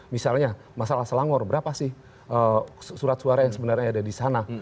misalnya masalah selangor berapa sih surat suara yang sebenarnya ada di sana